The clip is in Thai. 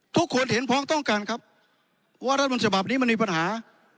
ทุกคนเห็นพ้องต้องการครับว่ารัฐมนต์ฉบับนี้มันมีปัญหา